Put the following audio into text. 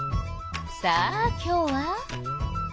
さあ今日は。